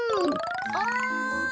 ・おい！